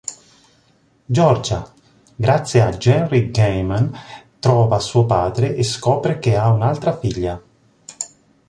Giorgia, grazie a Jerry Gaiman trova suo padre e scopre che ha un'altra figlia.